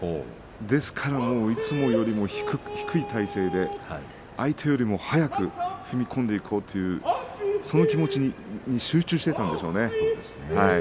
ですから、いつもよりも低い体勢で相手より早く踏み込んでいこうというその気持ちに集中していたんでしょうね。